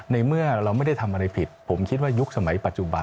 ในเมื่อเราไม่ได้ทำอะไรผิดผมคิดว่ายุคสมัยปัจจุบัน